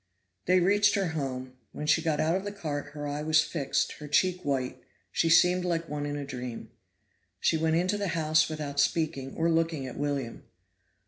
They reached her home; when she got out of the cart her eye was fixed, her cheek white, she seemed like one in a dream. She went into the house without speaking or looking at William.